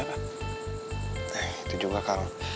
gue gak tau digebukin sama siapa